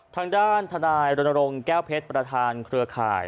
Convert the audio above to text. ทางด้านทนายรณรงค์แก้วเพชรประธานเครือข่าย